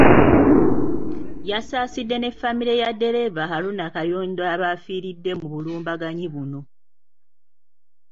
Yasaasidde ne famire ya ddereeva Haruna Kayondo abaafiiridde mu bulumbaganyi buno.